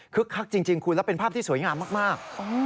คักจริงคุณแล้วเป็นภาพที่สวยงามมาก